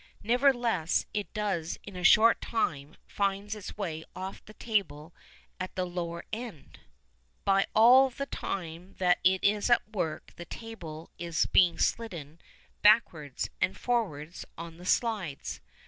Nevertheless it does in a short time find its way off the table at the lower end. But all the time that it is at work the table is being slidden backwards and forwards on the slides.